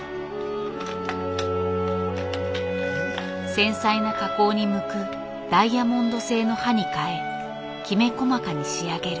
繊細な加工に向くダイヤモンド製の刃に替えきめ細かに仕上げる。